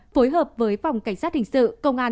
phối hợp với phòng cảnh sát hình sự công an